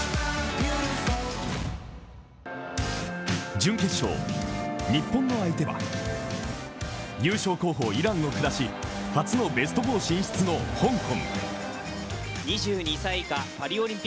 準決勝、日本の相手は優勝候補・イランを下し初のベスト４進出の香港。